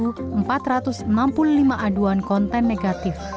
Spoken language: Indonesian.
kemenkominfo telah menerima sebanyak tiga puluh dua empat ratus enam puluh lima aduan konten negatif